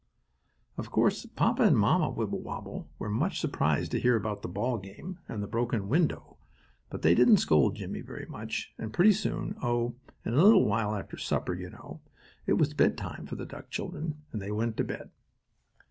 Of course Papa and Mamma Wibblewobble were much surprised to hear about the ball game, and the broken window, but they didn't scold Jimmie very much, and pretty soon, oh, in a little while after supper, you know, it was bedtime for the duck children and they went to bed.